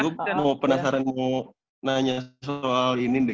gue penasaran mau nanya soal ini